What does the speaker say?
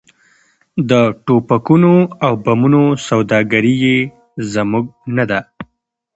د ټوپکونو او بمونو سوداګري یې زموږ نه ده.